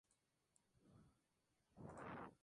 Cuando amanece, Maggie supervisa más entierros de sus amigos.